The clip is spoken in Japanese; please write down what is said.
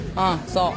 そう。